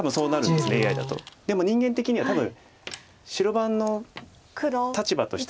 でも人間的には多分白番の立場としては。